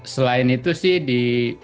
selain itu sih di